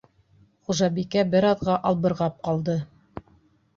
Хужабикә бер аҙға албырғап ҡалды.